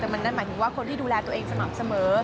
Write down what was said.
แต่มันนั่นหมายถึงว่าคนที่ดูแลตัวเองสม่ำเสมอ